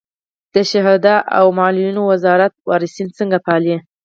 د شهدا او معلولینو وزارت وارثین څنګه پالي؟